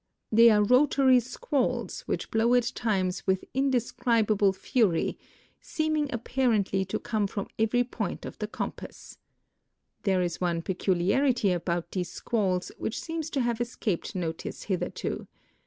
They are rotary squalls. whi«h blow at times with indescribable fury, seeming apparently to come from every point of the comjmss. There is one peculiarity ab(nit these squalls which seems to have escaped notice hitherto.